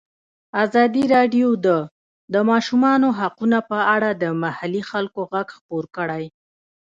ازادي راډیو د د ماشومانو حقونه په اړه د محلي خلکو غږ خپور کړی.